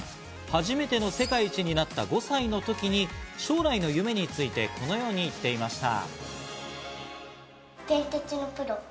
初めての世界一になった５歳の時に、将来の夢についてこのように言っていました。